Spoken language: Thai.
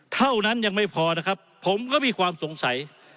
เท่านั้นยังไม่พอนะครับผมก็มีความสงสัย